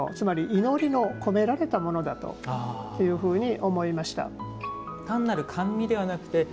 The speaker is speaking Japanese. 祈りの込められたものだというふうに思いました。